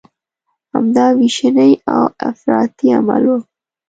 همدا ویشنې او افراطي عمل و.